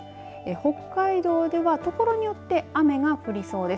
北海道では所によって雨が降りそうです。